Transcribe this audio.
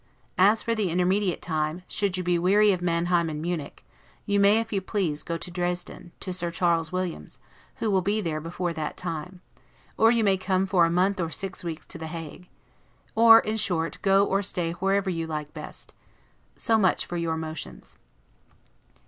As for the intermediate time, should you be weary of Manheim and Munich, you may, if you please, go to Dresden, to Sir Charles Williams, who will be there before that time; or you may come for a month or six weeks to The Hague; or, in short, go or stay wherever you like best. So much for your motions.